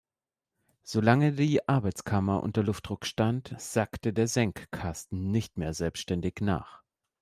Solange die Arbeitskammer unter Luftdruck stand, sackte der Senkkasten nicht mehr selbstständig nach.